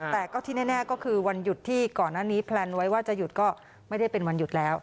แต่ก็ที่แน่ก็คือวันหยุดที่ก่อนหน้านี้แพลนไว้ว่าจะหยุดก็ไม่ได้เป็นวันหยุดแล้ว